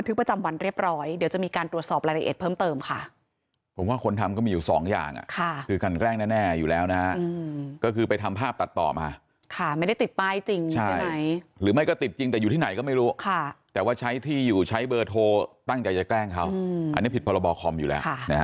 ตำรวจบอกว่าตำรวจก็ไม่เห็นนะคะ